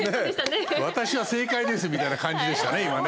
私は正解ですみたいな感じでしたね、今ね。